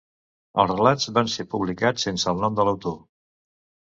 Els relats van ser publicats sense el nom de l'autor.